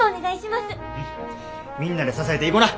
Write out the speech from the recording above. みんなで支えていこな。